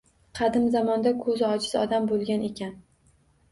Qadim zamonda ko’zi ojiz odam bo’lgan ekan.